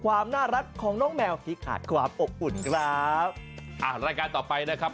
อ่ารายการต่อไปนะครับ